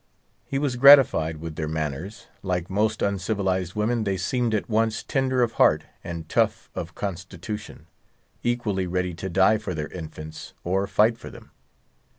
He was gratified with their manners: like most uncivilized women, they seemed at once tender of heart and tough of constitution; equally ready to die for their infants or fight for them.